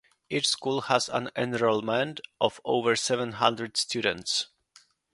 Each school has an enrollment of over seven hundred students.